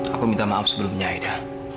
aku minta maaf sebelumnya eda